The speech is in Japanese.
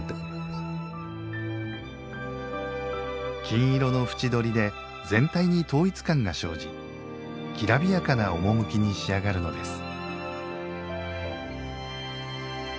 金色の縁どりで全体に統一感が生じきらびやかな趣に仕上がるのです。